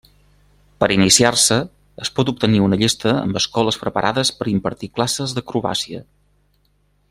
Per iniciar-se, es pot obtenir una llista amb escoles preparades per impartir classes d'acrobàcia.